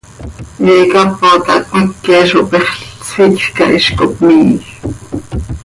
He cápota cmeque zo pexl, sficj cah, hiz cohpmiij.